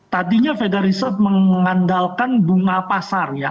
tadinya fedarisek mengandalkan bunga pasar ya